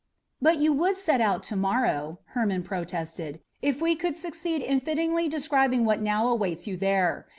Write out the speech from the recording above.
"But you would set out to morrow," Hermon protested, "if we could succeed in fitly describing what now awaits you there.